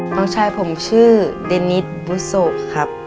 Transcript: น้องชายผมชื่อเดนิสบุโสครับ